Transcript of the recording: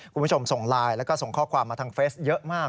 คุณผู้ชมส่งไลน์แล้วก็ส่งข้อความมาทางเฟสเยอะมาก